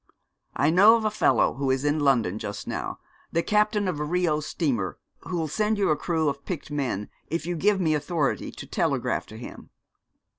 I know of a fellow who is in London just now the captain of a Rio steamer, who'll send you a crew of picked men, if you give me authority to telegraph to him.'